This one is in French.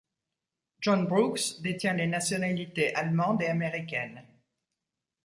John Brooks détient les nationalités allemande et américaine.